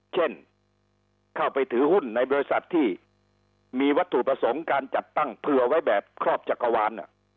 เช่นเข้าไปถือหุ้นในบริษัทที่มีวัตถุประสงค์การจัดตั้งเผื่อไว้แบบครอบจักรวาล